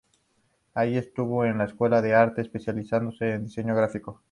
Allí estudió en la Escuela de Arte, especializándose en diseño gráfico.